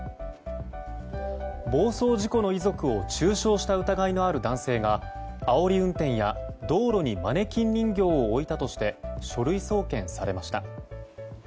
暴走事故の遺族を中傷した疑いのある男性があおり運転や、道路にマネキン人形を置いたとして書類送検されました。